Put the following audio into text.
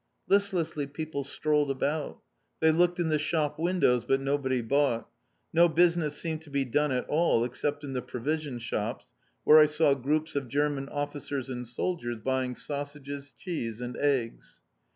Listlessly people strolled about. They looked in the shop windows, but nobody bought. No business seemed to be done at all, except in the provision shops, where I saw groups of German officers and soldiers buying sausages, cheese and eggs.